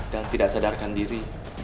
dan tidak sadarkan diri